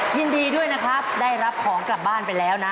ยินดีด้วยนะครับได้รับของกลับบ้านไปแล้วนะ